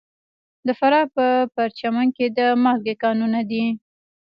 د فراه په پرچمن کې د مالګې کانونه دي.